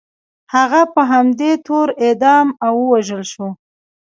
هغه په همدې تور اعدام او ووژل شو.